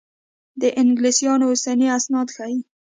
د انګلیسیانو اوسني اسناد ښيي.